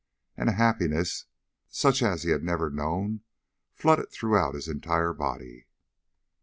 And a happiness such as he had never known flooded throughout his entire body.